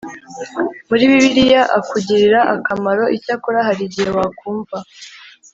muri bibiliya akugirira akamaro icyakora hari igihe wakumva